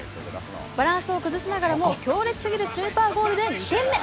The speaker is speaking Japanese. バランスを崩しながらも強烈すぎるスーパーゴールで２点目。